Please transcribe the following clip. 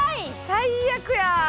最悪や！